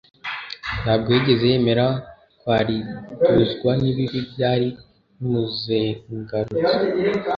ntabwo yigeze yemera kwariduzwa n'ibibi byari bimuzengarutse.